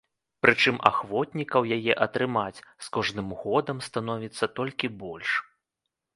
Прычым ахвотнікаў яе атрымаць з кожным годам становіцца толькі больш.